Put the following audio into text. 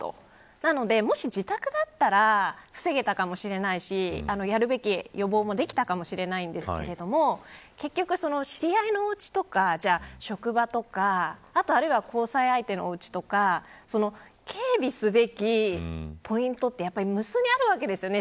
なので、もし自宅だったら防げたかもしれないしやるべき予防もできたかもしれないんですけれども結局、知り合いのおうちとか職場とか、後あるいは交際相手のおうちとか警備すべきポイントって無数にあるわけですよね。